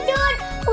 ada rumah keo